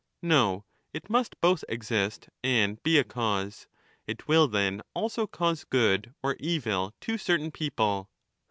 No, it must both exist and be a cause. It will, then, also cause good or evil to certain people.